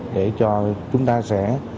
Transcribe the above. để cho chúng ta sẽ